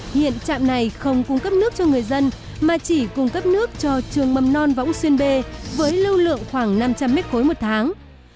hiện trạm này không cung cấp nước cho người dân mà chỉ cung cấp nước cho trường mầm non võng xuyên bê với lưu lượng khoảng năm trăm linh m ba một tháng